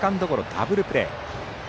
ダブルプレー。